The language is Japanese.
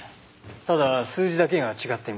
ただ数字だけが違っています。